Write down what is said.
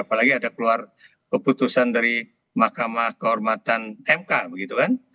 apalagi ada keluar keputusan dari mahkamah kehormatan mk begitu kan